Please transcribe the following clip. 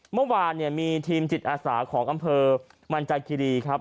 เมื่อวานเนี่ยมีทีมจิตอาสาของอำเภอมันจาคิรีครับ